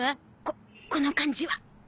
ここの感じは！